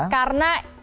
karena masih sekitar